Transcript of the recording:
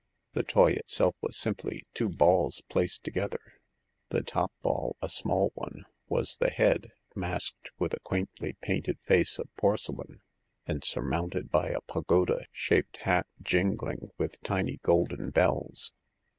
The toy itself was simply two balls placed together ; the top ball, a small one, was the head, masked with a quaintly painted face of porcelain, and sur mounted by a pagoda shaped hat jingling with tiny golden bells.